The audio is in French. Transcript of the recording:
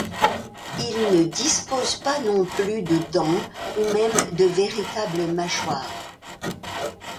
Ils ne disposent pas non plus de dents ou même de véritable mâchoire.